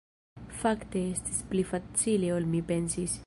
Fakte estis pli facile ol mi pensis.